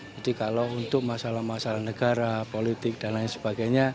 jadi kalau untuk masalah masalah negara politik dan lain sebagainya